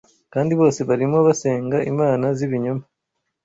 kandi bose barimo basenga imana z’ibinyoma